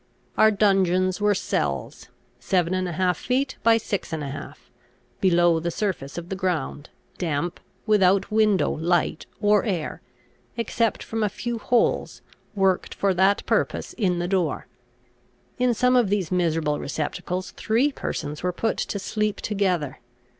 Our dungeons were cells, 7 1/2 feet by 6 1/2, below the surface of the ground, damp, without window, light, or air, except from a few holes worked for that purpose in the door. In some of these miserable receptacles three persons were put to sleep together.